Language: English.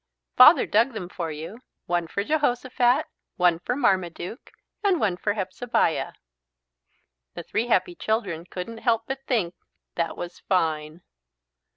"Father dug them for you one for Jehosophat, one for Marmaduke, and one for Hepzebiah." The three happy children couldn't help but think that was fine.